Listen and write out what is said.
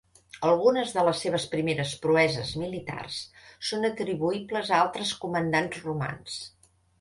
Algunes de les seves primeres proeses militars són atribuïbles a altres comandants romans.